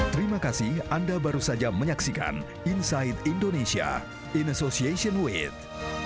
terima kasih anda baru saja menyaksikan inside indonesia in association with